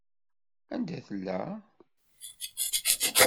Anda tella?